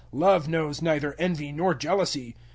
Love knows neither envy nor jealousy.